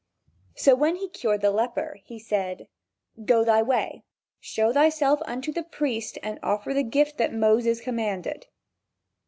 So, when he cured a leper, he said: "Go thy way, show thyself unto the priest and offer the gift that Moses commanded."